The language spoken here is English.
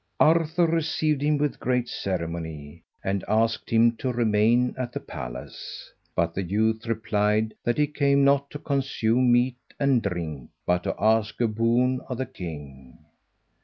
Arthur received him with great ceremony, and asked him to remain at the palace; but the youth replied that he came not to consume meat and drink, but to ask a boon of the king.